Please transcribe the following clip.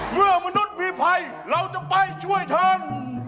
เมื่อมนุษย์มีภัยเราจะไปช่วยท่าน